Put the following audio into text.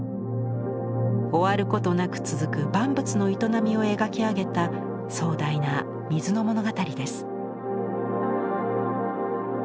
終わることなく続く万物の営みを描き上げた壮大な水の物語です。